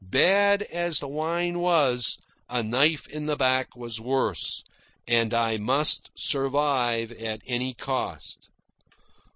Bad as the wine was, a knife in the back was worse, and I must survive at any cost.